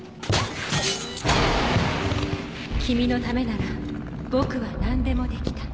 銃撃音「君のためなら僕は何でもできた。